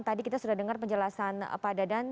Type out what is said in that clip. tadi kita sudah dengar penjelasan pak dadan